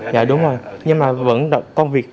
dạ đúng rồi nhưng mà vẫn công việc